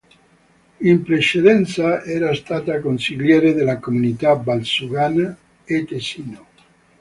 In precedenza era stata Consigliere della Comunità Valsugana e Tesino.